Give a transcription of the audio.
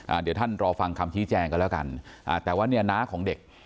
อ่าเดี๋ยวท่านรอฟังคำชี้แจงกันแล้วกันอ่าแต่ว่าเนี่ยน้าของเด็ก